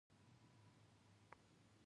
له دوحې تر استانبوله خبرې اترې ،نتیجې او ثمرې